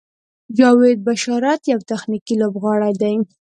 جاوید بشارت یو تخنیکي لوبغاړی دی.